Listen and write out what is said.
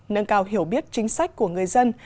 nâng cao hiểu biết chính sách của người dân